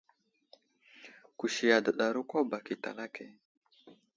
Kusi adəɗaro kwa bak i talake.